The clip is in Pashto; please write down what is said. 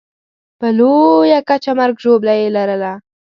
په لویه کچه مرګ ژوبله یې لرله.